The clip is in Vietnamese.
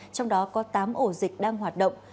trong đó có tám ổ dịch đang hoạt động